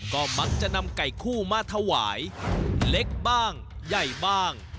ก็มักจะนำไก่คู่มาถวายเล็กบ้างใหญ่บ้าง